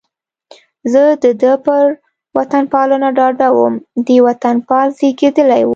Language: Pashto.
زه د ده پر وطنپالنه ډاډه وم، دی وطنپال زېږېدلی و.